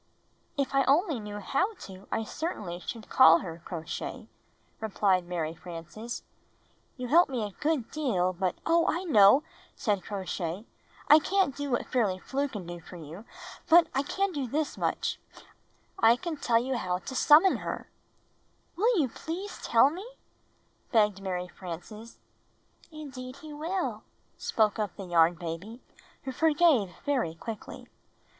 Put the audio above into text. ''If I only knew how to, I certainly should call her, Crow Shay," replied Mary Frances. "YoulQ help me a good deal, but " "Oh, I know!" said Crow Shay. "I can't do what A ball of pirikjyara 114 Knitting and Crocheting Book Fairly Flew can do for you, but I can do this much; I can tell you how to summon her." "Will you please teU me?" begged Mary Frances. "Indeed he will," spoke up the Yarn Baby, who forgave very quickly.